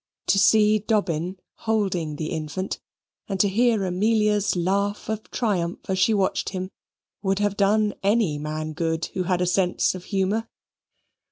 To see Dobbin holding the infant, and to hear Amelia's laugh of triumph as she watched him, would have done any man good who had a sense of humour.